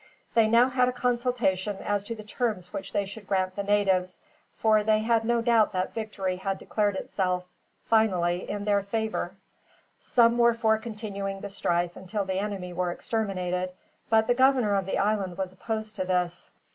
They now had a consultation as to the terms which they should grant the natives; for they had no doubt that victory had declared itself, finally, in their favor Some were for continuing the strife until the enemy were exterminated; but the governor of the island was opposed to this.